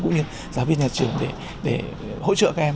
cũng như giáo viên nhà trường để hỗ trợ các em